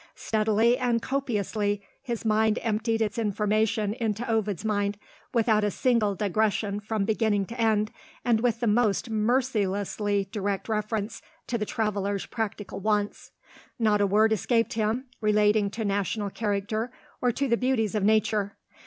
Steadily and copiously his mind emptied its information into Ovid's mind; without a single digression from beginning to end, and with the most mercilessly direct reference to the traveller's practical wants. Not a word escaped him, relating to national character or to the beauties of Nature.